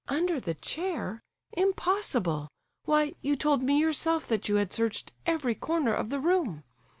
"Under the chair? Impossible! Why, you told me yourself that you had searched every corner of the room?